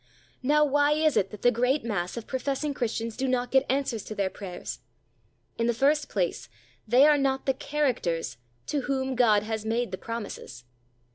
Now, why is it that the great mass of professing Christians do not get answers to their prayers? In the first place, they are not the CHARACTERS to whom God has made the promises.